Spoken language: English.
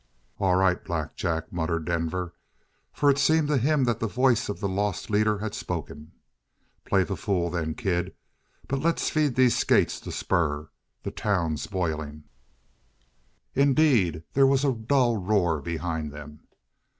"All right Black Jack," muttered Denver. For it seemed to him that the voice of the lost leader had spoken. "Play the fool, then, kid. But let's feed these skates the spur! The town's boiling!" Indeed, there was a dull roar behind them.